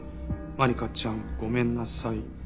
「万理華ちゃんごめんなさい。